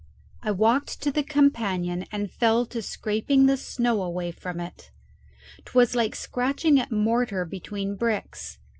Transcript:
I walked to the companion and fell to scraping the snow away from it. 'Twas like scratching at mortar between bricks.